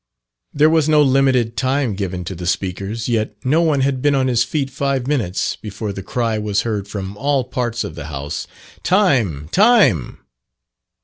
There was no limited time given to the speakers, yet no one had been on his feet five minutes, before the cry was heard from all parts of the house, "Time, time."